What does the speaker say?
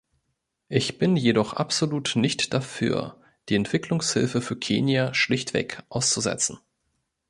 Ich bin jedoch absolut nicht dafür, die Entwicklungshilfe für Kenia schlichtweg auszusetzen.